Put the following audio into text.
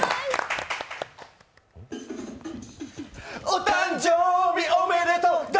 お誕生日おめでとう。